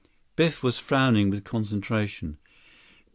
75 Biff was frowning with concentration.